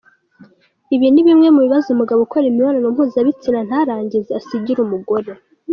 Ibi ni bimwe mu bibazo umugabo ukora imibonano mpuzabitsina ntarangize asigira umugore.